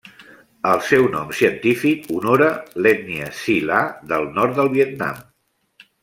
El seu nom científic honora l'ètnia Si La del nord del Vietnam.